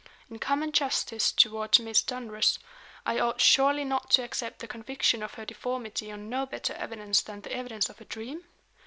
In common justice toward Miss Dunross I ought surely not to accept the conviction of her deformity on no better evidence than the evidence of a dream?